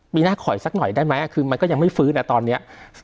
ปีหน้าขออีกสักหน่อยได้ไหมคือมันก็ยังไม่ฟื้นตอนนี้